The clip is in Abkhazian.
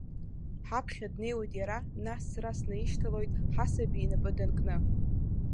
Ҳаԥхьа днеиуеит иара, нас сара снаишьҭалоит, ҳасаби инапы данкны.